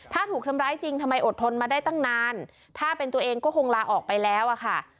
ถ้าถูกทำร้ายจริงทำไมอดทนมาได้ตั้งนานถ้าเป็นตัวเองก็คงลาออกไปแล้วอะค่ะ